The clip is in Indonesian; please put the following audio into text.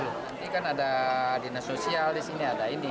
nanti kan ada dinas sosial disini ada ini